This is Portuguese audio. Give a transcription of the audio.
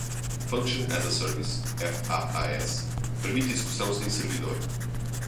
Function as a Service (FaaS) permite execução sem servidor.